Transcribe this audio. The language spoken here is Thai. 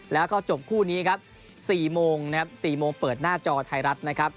แล้วก็จบคู่นี้ครับจาก๔โมงเปิดหน้าจอไทยรัฐนะครับ